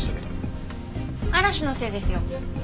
嵐のせいですよ。